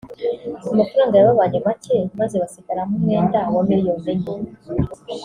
amafaranga yababanye make maze basigaramo umwenda wa miliyoni enye